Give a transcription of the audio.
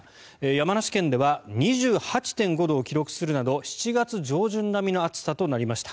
山梨県では２８．５度を記録するなど７月上旬並みの暑さとなりました。